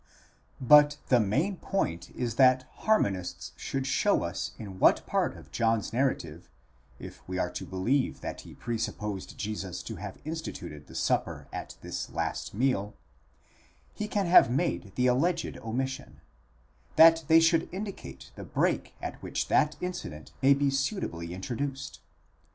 But the main point is that harmonists should show us in what part of John's narrative, if we are to believe that he presupposed Jesus to have instituted the Supper at this last meal, he can have made the alleged omission—that they should indicate the break at which that incident may be suitably intro duced.